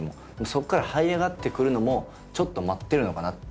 そっからはい上がってくるのもちょっと待ってるのかなっていう。